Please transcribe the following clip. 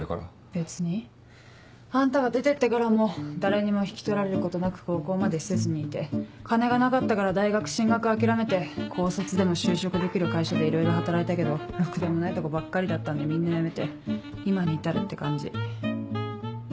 別にあんたが出てってからも誰にも引き取られることなく高校まで施設にいて金がなかったから大学進学諦めて高卒でも就職できる会社でいろいろ働いたけどろくでもないとこばっかりだったんでみんな辞めて今に至るって感じ。